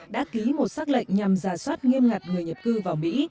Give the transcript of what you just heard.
đã ký một xác lệnh nhằm giả soát nghiêm ngặt người nhập cư vào mỹ